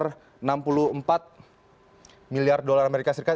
jadi ini adalah enam puluh empat miliar dolar amerika serikat